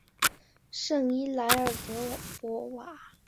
圣伊莱尔德博瓦。